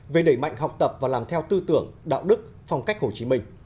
về đẩy mạnh học tập và làm theo tư tưởng đạo đức phong cách hồ chí minh